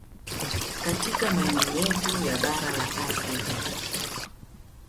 Katika maeneo yetu ya bara la Afrika